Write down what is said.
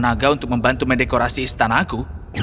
naga untuk membantu mendekorasi istanaku